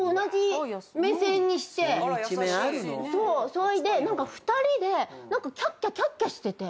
そいで２人でキャッキャキャッキャしてて。